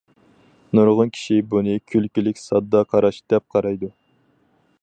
نۇرغۇن كىشى بۇنى كۈلكىلىك، ساددا قاراش، دەپ قارايدۇ.